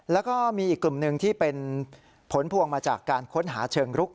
แล้วก็มีอีกกลุ่มหนึ่งที่เป็นผลพวงมาจากการค้นหาเชิงรุก